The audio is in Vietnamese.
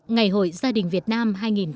ngày hội gia đình việt nam hai nghìn một mươi bảy